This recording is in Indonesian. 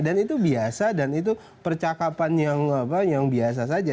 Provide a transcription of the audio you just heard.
dan itu biasa dan itu percakapan yang biasa saja